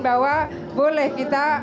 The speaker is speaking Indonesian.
bahwa boleh kita